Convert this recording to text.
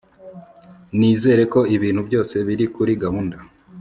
Nizere ko ibintu byose biri kuri gahunda